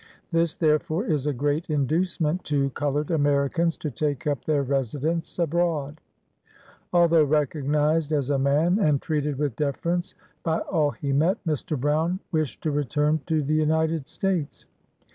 This, therefore, is a great inducement to colored Americans to take up their resi dence abroad. Although recognised as a man, and treated with deference by all he met, Mr. Brown wished to return to the United States.